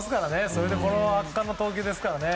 それでこの圧巻の投球ですから。